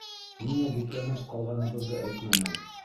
Ниңә бикләнеп ҡалғаныбыҙҙы әйтмәнең?